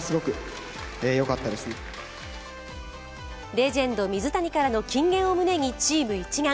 レジェンド水谷からの金言を胸にチーム一丸。